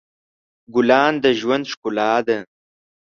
ګلان د ژوند ښکلا ده.